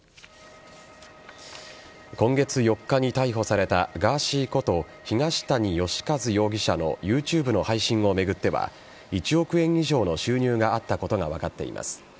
今月４日に逮捕されたガーシーこと東谷義和容疑者のＹｏｕＴｕｂｅの配信を巡っては１億円以上の収入があったことが分かっています。